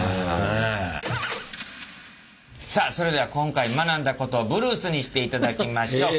さあそれでは今回学んだことをブルースにしていただきましょう！